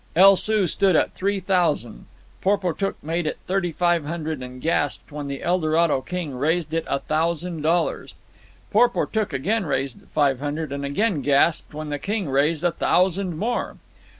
El Soo stood at three thousand. Porportuk made it thirty five hundred, and gasped when the Eldorado king raised it a thousand dollars. Porportuk again raised it five hundred, and again gasped when the king raised a thousand more.